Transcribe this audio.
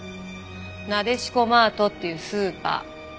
なでしこマートっていうスーパー。